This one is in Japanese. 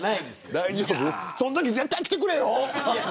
そのとき絶対来てくれよ。